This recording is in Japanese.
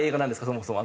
そもそも。